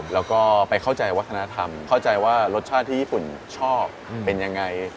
แล้วก็ไปเข้าใจวัฒนธรรมเข้าใจว่ารสชาติที่ญี่ปุ่นชอบเป็นยังไง